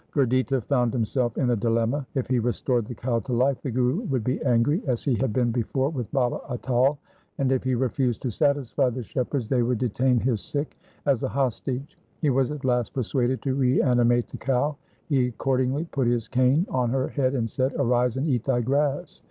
Gurditta found himself in a dilemma. If he restored the cow to life, the Guru would be angry, as he had been before with Baba Atal, and if he refused to satisfy the shepherds, they would detain his Sikh as a hostage. He was at last persuaded to reani mate the cow. He accordingly put his cane on her head and said, 'Arise, and eat thy grass!'